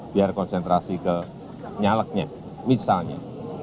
biar konsentrasi ke nyaleknya misalnya